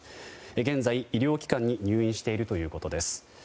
現在、医療機関に入院しているということです。